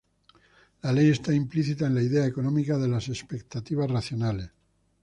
La ley está implícita en la idea económica de las expectativas racionales.